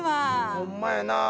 ほんまやなぁ。